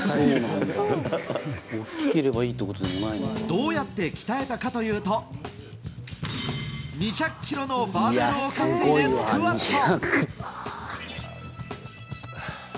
どうやって鍛えたかというと２００ｋｇのバーベルを担いでスクワット。